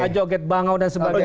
joget bangau dan sebagainya